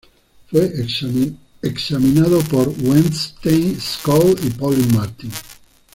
Fue examinado por Wettstein, Scholz y Paulin Martin.